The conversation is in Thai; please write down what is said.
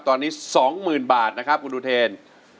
ตอนนี้๒๐๐๐บาทนะครับคุณอุเทน